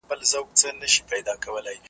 لکه دروېش لکه د شپې قلندر .